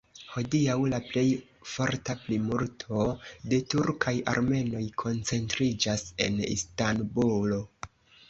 Hodiaŭ la plej forta plimulto de turkaj armenoj koncentriĝas en Istanbulo.